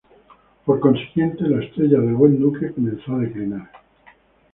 Por consiguiente, la estrella del Buen Duque comenzó a declinar.